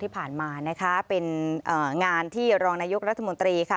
ที่ผ่านมานะคะเป็นงานที่รองนายกรัฐมนตรีค่ะ